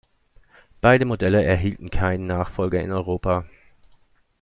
Beide Modelle erhielten keinen Nachfolger in Europa.